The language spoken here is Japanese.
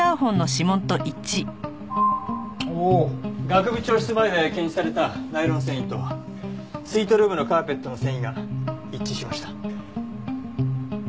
学部長室前で検出されたナイロン繊維とスイートルームのカーペットの繊維が一致しました。